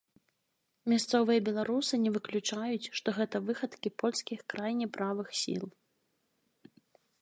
Мясцовыя беларусы не выключаюць, што гэта выхадкі польскіх крайне правых сіл.